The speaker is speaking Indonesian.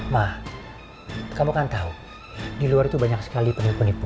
mah kamu kan tahu di luar itu banyak sekali penipu penipu